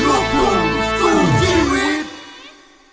ลูกหนูสู้ชีวิต